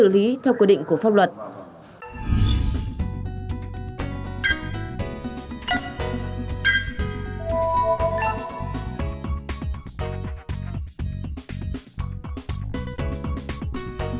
lý theo quy định của pháp luật